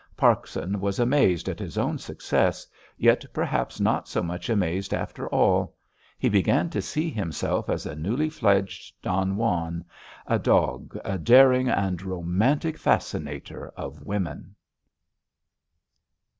Parkson was amazed at his own success, yet perhaps not so much amazed after all. He began to see himself as a newly fledged Don Juan, a dog, a daring and romantic fascinator of women.